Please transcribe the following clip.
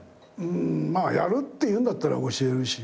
うんまあやるって言うんだったら教えるし。